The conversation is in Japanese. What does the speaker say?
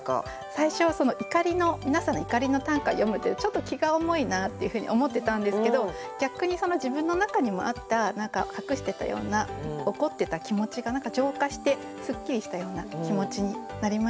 最初は皆さんの怒りの短歌を読むってちょっと気が重いなっていうふうに思ってたんですけど逆にその自分の中にもあった隠してたような怒ってた気持ちが浄化してすっきりしたような気持ちになりました。